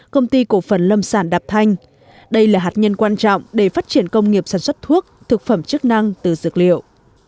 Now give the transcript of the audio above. công ty cổ phần lâm sản đạp thanh đây là hạt nhân quan trọng để phát triển công nghiệp sản xuất thuốc thực phẩm chức năng từ dược liệu